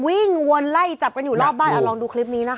วิ่งวนไล่จับกันอยู่รอบบ้านเอาลองดูคลิปนี้นะคะ